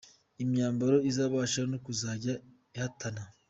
Imyambaro Izabasha no kuzajya ihatana.